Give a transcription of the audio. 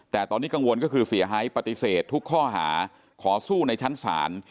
แต่ตอนนี้กังวลก็คือเสียหายปฏิเสธทุกข้อหาขอสู้ในชั้นศาล